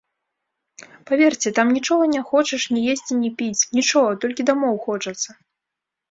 Паверце, там нічога не хочаш ні есці, ні піць, нічога, толькі дамоў хочацца.